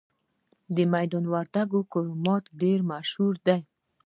د میدان وردګو کرومایټ ډیر مشهور دی.